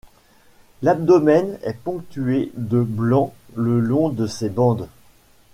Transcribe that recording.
L'abdomen est ponctué de blanc le long de ces bandes.